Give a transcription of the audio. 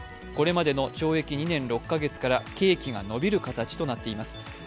これまでの懲役２年６カ月から刑期が延びる形となっています。